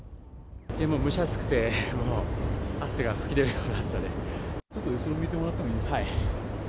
もう蒸し暑くて、ちょっと後ろ向いてもらってはい。